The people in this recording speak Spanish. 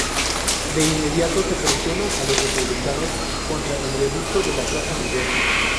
De inmediato se presiona a los republicanos contra el reducto de la plaza mayor.